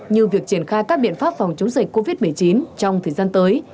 như việc triển khai các biện pháp phòng chống dịch covid một mươi chín trong thời gian tới